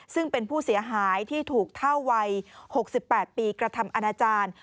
ซึ่งเป็นผู้เสียหายที่ถูกเท่าวัย๖๘ปีกระทำอนาจารย์